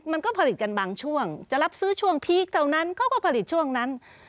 มันก็ผลิตกันบางช่วงจะรับซื้อช่วงพีคเท่านั้นเขาก็ผลิตช่วงนั้น